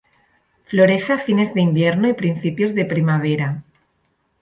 Florece a fines de invierno y principios de primavera.